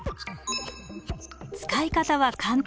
使い方は簡単。